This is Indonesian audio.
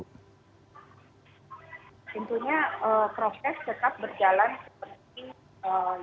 tentunya proses tetap berjalan seperti